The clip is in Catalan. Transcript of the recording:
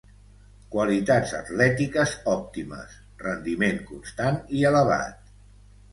Qualitats atlètiques òptimes, rendiment constant i elevat.